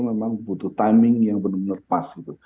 memang butuh timing yang benar benar pas gitu